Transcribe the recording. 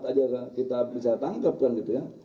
dengan segede umat saja kita bisa tangkapkan gitu ya